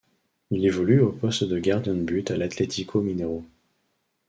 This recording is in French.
Il évolue au poste de gardien de but à l'Atlético Mineiro.